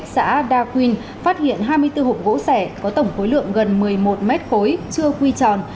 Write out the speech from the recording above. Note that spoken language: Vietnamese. xã đa quynh phát hiện hai mươi bốn hộp gỗ sẻ có tổng khối lượng gần một mươi một mét khối chưa quy tròn